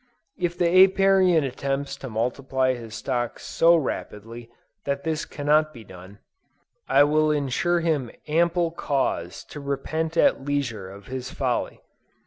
If the Apiarian attempts to multiply his stocks so rapidly that this cannot be done, I will ensure him ample cause to repent at leisure of his folly.